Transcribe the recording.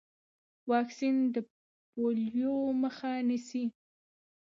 واکسین د پولیو مخه نیسي۔